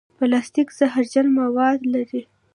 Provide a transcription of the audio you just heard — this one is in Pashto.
پلاستيک زهرجن مواد لري.